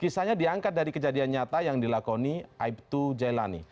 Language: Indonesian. kisahnya diangkat dari kejadian nyata yang dilakoni aibtu jailani